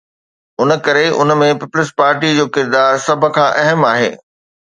ان ڪري ان ۾ Peoples Party جو ڪردار سڀ کان اهم آهي.